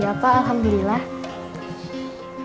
iya pak alhamdulillah